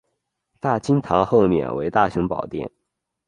大经堂后面为大雄宝殿。